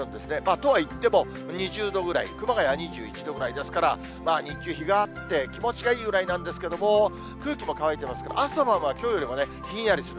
とはいっても２０度ぐらい、熊谷２１度ぐらいですから、日中、日があって気持ちがいいぐらいなんですけれども、空気も乾いてますから、朝晩はきょうよりもね、ひんやりする。